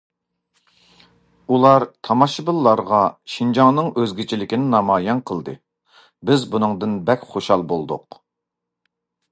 ئۇلار تاماشىبىنلارغا شىنجاڭنىڭ ئۆزگىچىلىكىنى نامايان قىلدى، بىز بۇنىڭدىن بەك خۇشال بولدۇق.